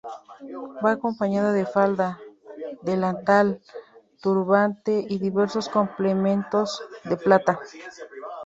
Va acompañada de falda, delantal, turbante y diversos complementos de plata.